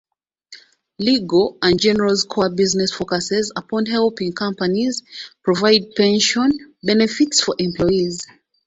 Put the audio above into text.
Legal and General's core business focuses upon helping companies provide pension benefits for employees.